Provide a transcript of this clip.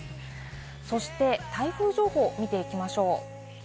そして台風情報を見ていきましょう。